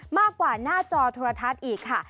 มากกว่าหน้าจอโทรทัศน์อีกค่ะ